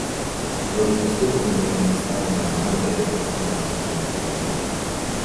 Больш даступнымі сталі нармальныя, якасныя музычныя інструменты.